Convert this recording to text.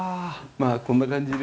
まあこんな感じで。